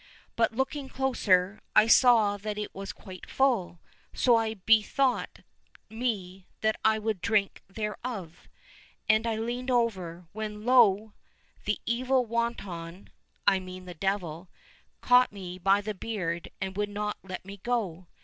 But looking closer, I saw that it was quite full ; so I bethought me that I would drink thereof, and I leaned over, when lo ! that Evil wanton (I mean the Devil) caught me by the beard and would not let me go.